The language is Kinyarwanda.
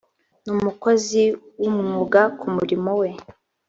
ni umukozi wumwuga ku murimo we